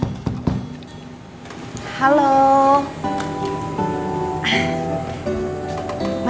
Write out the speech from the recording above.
masih inget sama aku gak